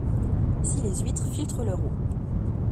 si les huîtres filtrent leur eau.